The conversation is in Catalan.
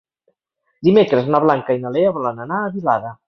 Dimecres na Blanca i na Lea volen anar a Vilada.